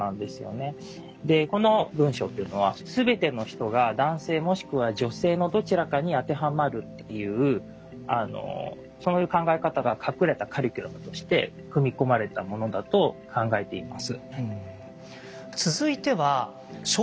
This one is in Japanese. この文章っていうのは全ての人が男性もしくは女性のどちらかに当てはまるっていうそういう考え方が隠れたカリキュラムとして組み込まれたものだと考えています。